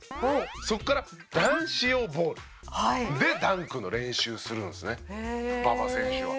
そこから男子用ボールでダンクの練習するんですね馬場選手は。